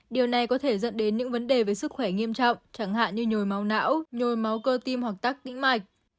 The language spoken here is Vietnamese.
điều này có thể dẫn đến những vấn đề về sức khỏe nghiêm trọng chẳng hạn như nhồi máu não nhồi máu cơ tim hoặc tắc tĩnh mạch